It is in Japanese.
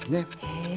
へえ。